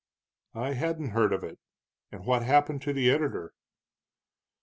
"I hadn't heard of it. And what happened to the editor?"